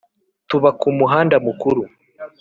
tuba ku muhanda mukuru